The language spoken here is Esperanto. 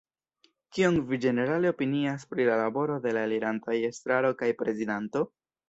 Kion vi ĝenerale opinias pri la laboro de la elirantaj estraro kaj prezidanto?